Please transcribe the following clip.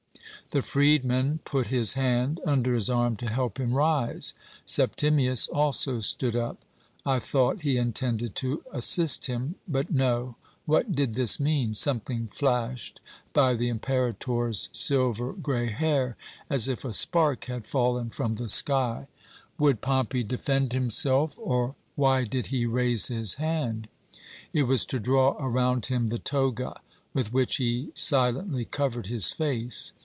The freedman put his hand under his arm to help him rise. Septimius also stood up. I thought he intended to assist him. But no! What did this mean? Something flashed by the Imperator's silver grey hair as if a spark had fallen from the sky. Would Pompey defend himself, or why did he raise his hand? It was to draw around him the toga, with which he silently covered his face.